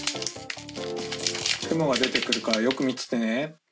雲が出てくるからよく見ててね。